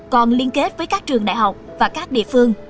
còn liên kết với các trường đại học và các địa phương